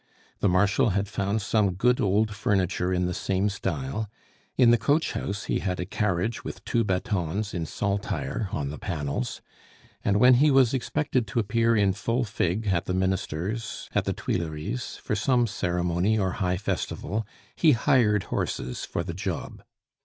The Marshal had found some good old furniture in the same style; in the coach house he had a carriage with two batons in saltire on the panels; and when he was expected to appear in full fig, at the Minister's, at the Tuileries, for some ceremony or high festival, he hired horses for the job.